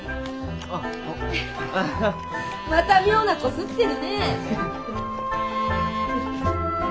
また妙な子刷ってるねえ！